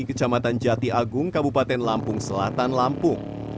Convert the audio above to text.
kecamatan jati agung kabupaten lampung selatan lampung